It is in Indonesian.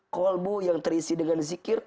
kolbu yang terisi dengan zikir